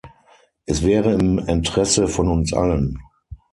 Es wäre im Interesse von uns allen.